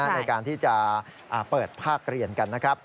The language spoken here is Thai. ในการที่จะเปิดภาคเรียนกันนะครับ